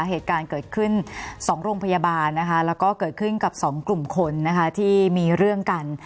เหตุการณ์เกิดขึ้น๒โรงพยาบาลนะคะแล้วก็เกิดขึ้นกับ๒กลุ่มคนนะคะที่มีเรื่องกัน